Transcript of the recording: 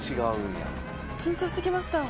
緊張してきました。